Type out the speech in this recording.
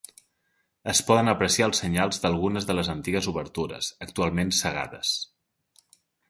Es poden apreciar els senyals d'algunes de les antigues obertures, actualment cegades.